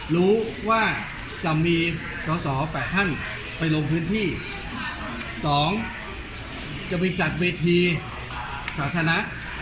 รู้ว่าจะมีข้อสอแปดขั้นไปลงพื้นที่สองจะไปจัดเวทีสาธารณะ